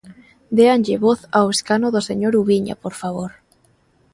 Déanlle voz ao escano do señor Ubiña, por favor.